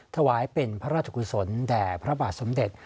ถวายเป็นพระราชกุศลแด่พระบาทสมเด็จ